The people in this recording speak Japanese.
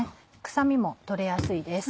臭みも取れやすいです。